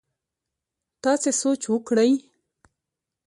تاسي سوچ وکړئ!